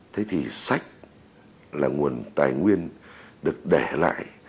thế thì sách là nguồn tài nguyên được để lại